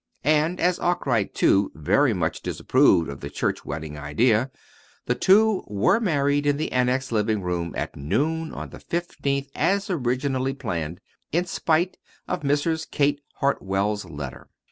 And as Arkwright, too, very much disapproved of the church wedding idea, the two were married in the Annex living room at noon on the fifteenth as originally planned, in spite of Mrs. Kate Hartwell's letter.